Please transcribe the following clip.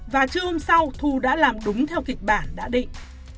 và chưa hôm sau thu đã làm đúng theo kịch bản đã định